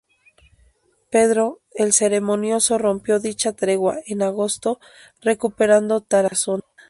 Pedro el Ceremonioso rompió dicha tregua en agosto recuperando Tarazona.